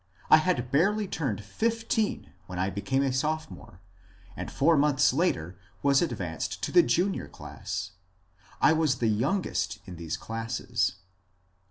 I bad barely turned fifteen wben I became a Sopbomore, and four montbs later was advanced to tbe Junior class. I was tbe youngest in tbese classes.